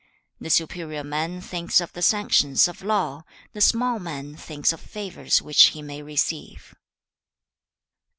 The superior man thinks of the sanctions of law; the small man thinks of favours which he may receive.'